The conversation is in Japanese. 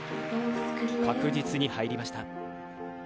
確実に入りました。